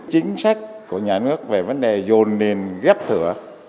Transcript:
chính sách của nhà nước về vấn đề dồn nền ghép thửa